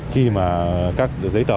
khi mà các giấy tờ